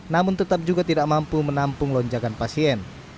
namun tetap juga tidak mampu menampung lonjakan pasien